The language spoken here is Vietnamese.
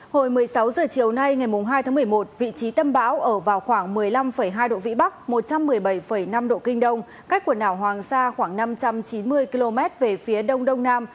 hồi một mươi sáu h chiều nay ngày hai tháng một mươi một vị trí tâm bão ở vào khoảng một mươi năm hai độ vĩ bắc một trăm một mươi bảy năm độ kinh đông cách quần đảo hoàng sa khoảng năm trăm chín mươi km về phía đông đông nam